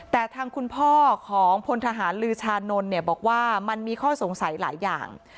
แต่ทางคุณพ่อของพลทหารลือชานนท์เนี่ยบอกว่ามันมีข้อสงสัยหลายอย่าง